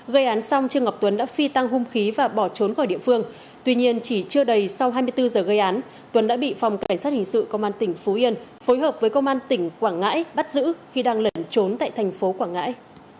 gây án xong trương ngọc tuấn đã phi tăng hung khí và bỏ trốn khỏi địa phương tuy nhiên chỉ chưa đầy sau hai mươi bốn giờ gây án tuấn đã bị phòng cảnh sát hình sự công an tỉnh phú yên phối hợp với công an tỉnh quảng ngãi bắt giữ khi đang lẩn trốn tại thành phố quảng ngãi